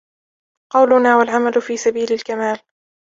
قولنا والعمـل في سبيل الكمال